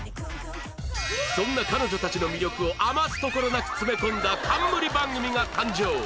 そんな彼女たちの魅力を余すところなく詰め込んだ冠番組が誕生